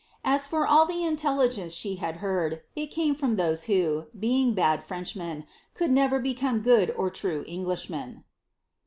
As for all the intelligence she had heard, it came from those who, being bad Frenchmen, could never become good or true Englishmen."